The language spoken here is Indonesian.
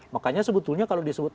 makanya sebetulnya kalau disebut